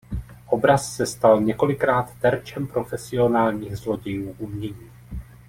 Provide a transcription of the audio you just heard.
Obraz se stal několikrát terčem profesionálních zlodějů umění.